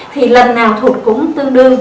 thì lần nào thục cũng tương đương